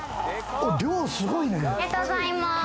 量すごいね。